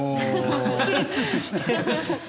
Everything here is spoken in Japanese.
ツルツルして。